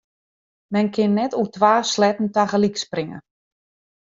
Men kin net oer twa sleatten tagelyk springe.